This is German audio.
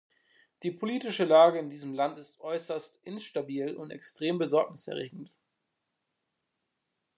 Die politische Lage in diesem Land ist äußerst instabil und extrem besorgniserregend.